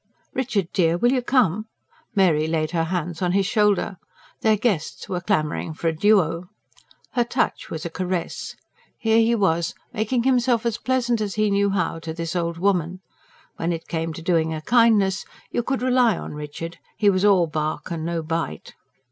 "Richard dear, will you come?" Mary laid her hands on his shoulder: their guests were clamouring for a DUO. Her touch was a caress: here he was, making himself as pleasant as he knew how, to this old woman. When it came to doing a kindness, you could rely on Richard; he was all bark and no bite.